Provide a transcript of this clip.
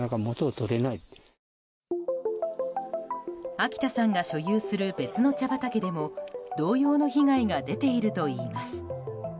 秋田さんが所有する別の茶畑でも同様の被害が出ているといいます。